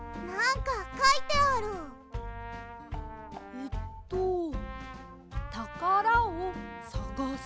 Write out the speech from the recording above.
えっと「たからをさがせ」？